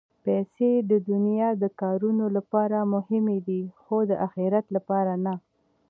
پېسې د دنیا د کارونو لپاره مهمې دي، خو د اخرت لپاره نه.